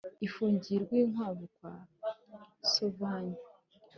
Ifungiye i Rwinkwavu kwa Sovanye